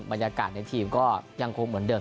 บรรยากาศในทีมก็ยังคงเหมือนเดิม